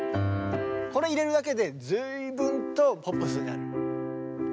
これ入れるだけで随分とポップスになる。